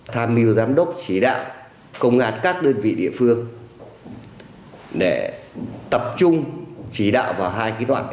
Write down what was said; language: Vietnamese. tham mưu giám đốc chỉ đạo công ngàn các đơn vị địa phương để tập trung chỉ đạo vào hai cái loại